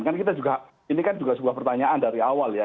kan kita juga ini kan juga sebuah pertanyaan dari awal ya